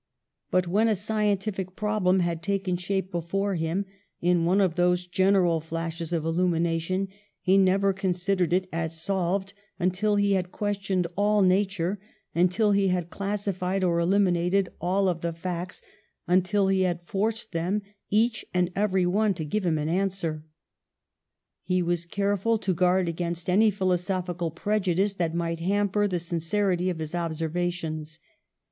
But when a scientific problem had taken shape before him, in one of those general flashes of illumination, he never con sidered it as solved until he had questioned all nature, until he had classified or eliminated all of the facts, until he had forced them, each and every one, to give him an answer. "He was careful to guard against any philo sophical prejudice that might hamper the sin cerity of his observations.